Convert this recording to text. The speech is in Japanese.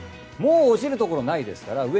もう落ちるところはないですから。